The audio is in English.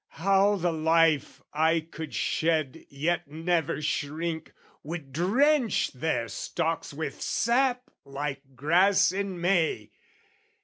How the life I could shed yet never shrink, Would drench their stalks with sap like grass in May!